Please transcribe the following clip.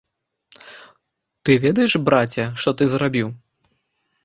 Ты ведаеш, браце, што ты зрабіў?